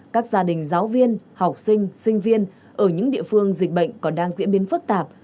các gia đình giáo viên học sinh sinh viên ở những địa phương dịch bệnh còn đang diễn biến phức tạp